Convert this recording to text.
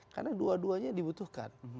karena dua duanya dibutuhkan